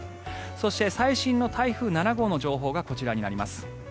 そして、最新の台風７号の情報がこちらになります。